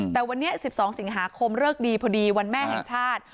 แต่วันนี้๑๒สิงหาคมเลิกดีพอดีวันแม่แห่งชาติ